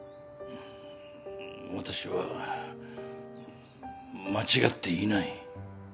私は間違っていない。